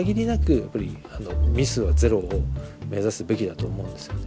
やっぱりミスはゼロを目指すべきだと思うんですよね。